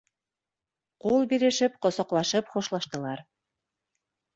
Ҡул бирешеп, ҡосаҡлашып хушлаштылар.